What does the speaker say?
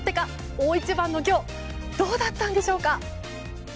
大一番の今日どうだったんでしょうか。